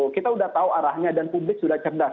kita sudah tahu arahnya dan publik sudah cerdas